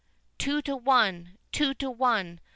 two to one—two to one!